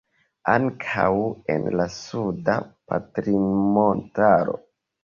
Ankaŭ en la Suda Patrinmontaro.